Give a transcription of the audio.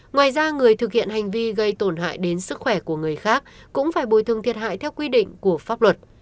ngoài ra người thực hiện hành vi gây tổn hại đến sức khỏe của người khác cũng phải bồi thương thiệt hại theo quy định của pháp luật